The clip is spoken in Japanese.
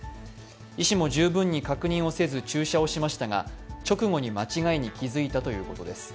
医師も十分に確認をせず注射をしましたが直後に間違いに気付いたということです。